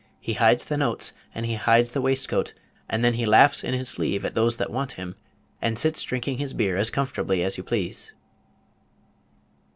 He hides the notes, and he hides the waistcoat, and then he laughs in his sleeve at those that want him, and sits drinking his beer as comfortably as you please."